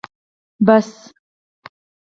بس